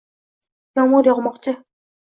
Yomg'ir yog’moqchi